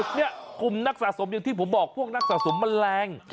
เนี่ยกลุ่มนักสะสมอย่างที่ผมบอกพวกนักสะสมมันแรง